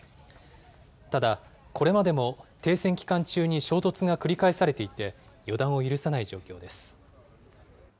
ただ、これまでも停戦期間中に衝突が繰り返されていて、予断を許さない状況です。